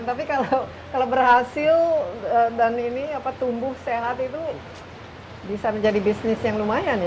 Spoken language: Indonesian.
tapi kalau berhasil dan ini tumbuh sehat itu bisa menjadi bisnis yang lumayan ya